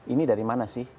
ini dari mana sih